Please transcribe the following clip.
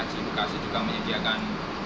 jidukasi juga menyediakan